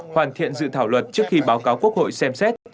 hoàn thiện dự thảo luật trước khi báo cáo quốc hội xem xét